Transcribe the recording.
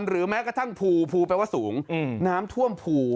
หรือแม้กระทั่งผูผูแปลว่าสูงอืมน้ำท่วมผู